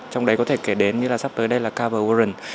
trong đấy có thể kể đến như là sắp tới đây là carver warren